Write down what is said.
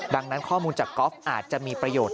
ดังนั้นข้อมูลจากกอล์ฟอาจจะมีประโยชน์